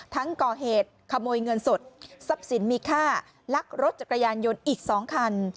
ก่อเหตุขโมยเงินสดทรัพย์สินมีค่าลักรถจักรยานยนต์อีก๒คัน